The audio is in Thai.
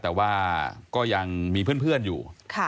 แต่ว่าก็ยังมีเพื่อนอยู่